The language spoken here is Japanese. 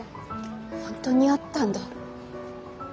本当にあったんだ。